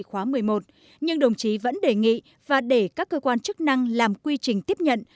khóa một mươi một nhưng đồng chí vẫn đề nghị và để các cơ quan chức năng làm quy trình tiếp nhận